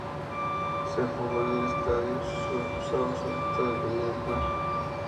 Se jugó en el Estadio Sausalito de Viña del Mar.